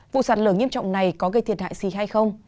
vụ sạt lở nghiêm trọng này có gây thiệt hại gì hay không